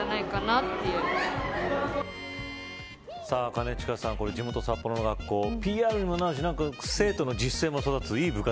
兼近さん、地元札幌の学校ＰＲにもなるし、生徒の自主性も育ついい